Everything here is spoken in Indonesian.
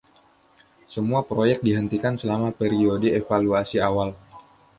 Semua proyek dihentikan selama periode evaluasi awal.